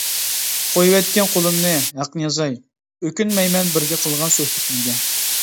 قويۇۋەتكىن قولۇمنى ھەقنى يازاي، ئۆكۈنمەيمەن بىرگە قىلغان سۆھبىتىمگە.